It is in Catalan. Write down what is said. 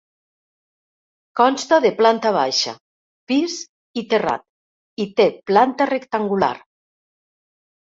Consta de planta baixa, pis i terrat i té planta rectangular.